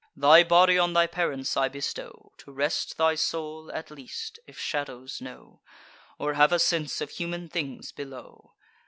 Thy body on thy parents I bestow, To rest thy soul, at least, if shadows know, Or have a sense of human things below.